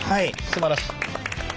すばらしい。